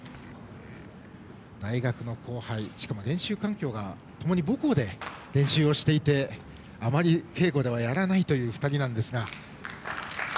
大学の後輩しかも練習環境が、ともに母校で練習をしていてあまり稽古ではやらないという２人なんですが。